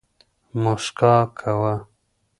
موسکا کوه